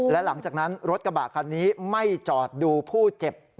และหลังจากนั้นรถกระบะคันนี้ไม่จอดดูผู้เจ็บ